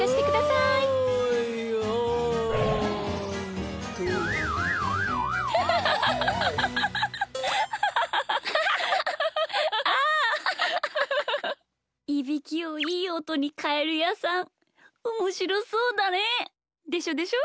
いびきをいいおとにかえるやさんおもしろそうだねえ。でしょでしょ？